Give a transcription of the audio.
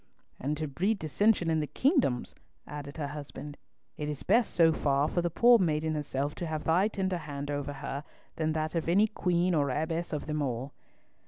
"And to breed dissension in the kingdoms!" added her husband. "It is best so far for the poor maiden herself to have thy tender hand over her than that of any queen or abbess of them all."